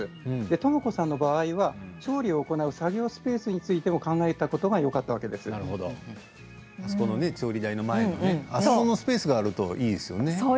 ともこさんの場合は調理を行う作業スペースについてもあそこの調理台の前のスペースがあるといいですよね。